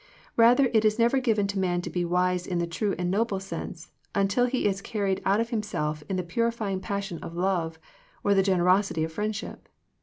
Rather it is never given to a man to be wise in the true and noble sense, until he is carried out of himself in the purifying passion of love, or the generosity of friendship.